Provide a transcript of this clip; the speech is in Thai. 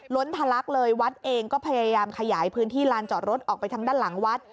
้นทะลักเลยวัดเองก็พยายามขยายพื้นที่ลานจอดรถออกไปทางด้านหลังวัด